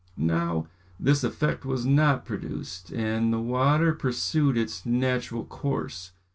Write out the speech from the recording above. Now, this effect was not produced, and the water pursued its natural course.